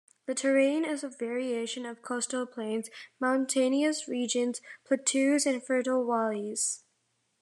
The terrain is a variation of coastal plains, mountainous regions, plateaus and fertile valleys.